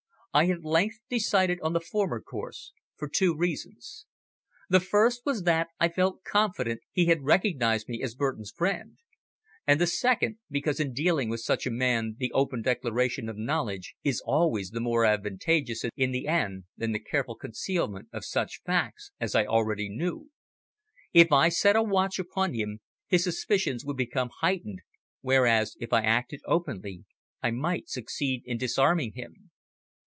I at length decided on the former course for two reasons. The first was that I felt confident he had recognised me as Burton's friend; and the second because in dealing with such a man the open declaration of knowledge is always the more advantageous in the end than the careful concealment of such facts as I already knew. If I set a watch upon him his suspicions would become heightened, whereas if I acted openly I might succeed in disarming him.